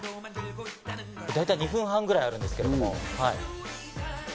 大体２分半ぐらいあるんですけれども。